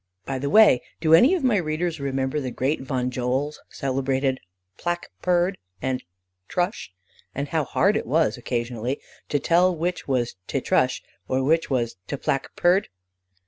By the way, do any of my readers remember the great Von Joel's celebrated "plack purd" and "trush," and how hard it was, occasionally, to tell which was "te trush" or which was "te plack purd"?